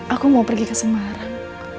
aku mau pergi ke semarang